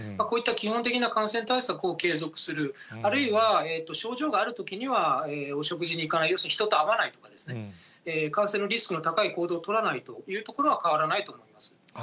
こういった基本的な感染対策を継続する、あるいは症状があるときには、お食事に行かない、人と会わない、感染のリスクの高い行動を取らないということは変わらないと思い